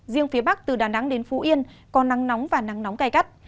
riêng phía bắc từ đà nẵng đến phú yên có nắng nóng và nắng nóng cay cắt